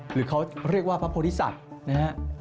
หรือเขาเรียกว่าพระพฤษัตริย์นะครับ